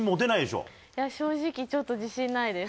正直、ちょっと自信ないです。